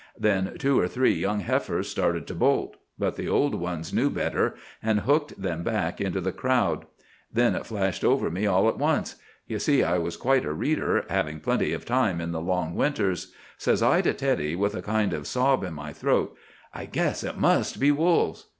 Then two or three young heifers started to bolt; but the old ones knew better, and hooked them back into the crowd. Then it flashed over me all at once. You see, I was quite a reader, having plenty of time in the long winters. Says I to Teddy, with a kind of sob in my throat, 'I guess it must be wolves.